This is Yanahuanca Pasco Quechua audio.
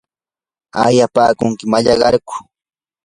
¿aayapaakunki mallaqarku?